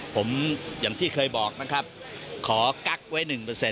ผมอย่างที่เคยบอกนะครับขอกั๊กไว้๑